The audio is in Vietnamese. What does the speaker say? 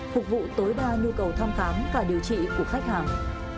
phục vụ tối đa nhu cầu thăm khám và điều trị của khách hàng